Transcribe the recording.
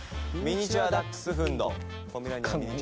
ミニチュア・ダックスフンド。